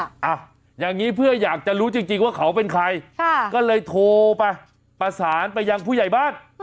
อ่ะอย่างนี้เพื่ออยากจะรู้จริงจริงว่าเขาเป็นใครค่ะก็เลยโทรไปประสานไปยังผู้ใหญ่บ้าน